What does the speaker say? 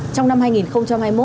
trong năm hai nghìn một mươi năm